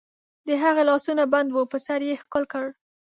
د هغې لاسونه بند وو، په سر یې ښکل کړ.